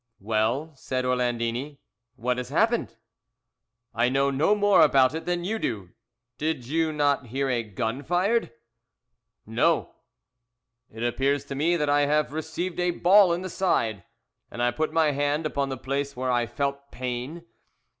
"'Well,' said Orlandini, 'what has happened?' "'I know no more about it than you do. Did you not hear a gun fired?' "'No.' "'It appears to me that I have received a ball in the side,' and I put my hand upon the place where I felt pain.